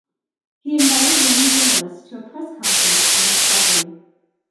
He invited Roman journalists to a press conference on his property.